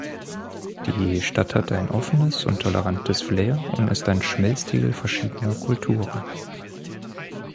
Die Stadt hat ein offenes und tolerantes Flair und ist ein Schmelztiegel verschiedener Kulturen.